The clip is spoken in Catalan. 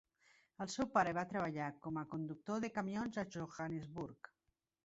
El seu pare va treballar com a conductor de camions a Johannesburg.